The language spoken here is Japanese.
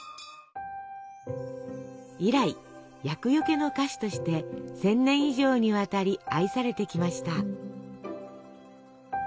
以来厄よけの菓子として１，０００年以上にわたり愛されてきました。